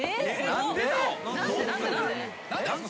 何で？